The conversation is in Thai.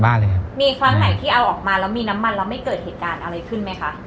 มีครั้งไหนที่เอาออกมาแล้วมีน้ำมันแล้วไม่เกิดเหตุการณ์อะไรขึ้นไหมคะ